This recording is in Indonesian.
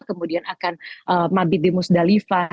kemudian akan mabit di musdalifah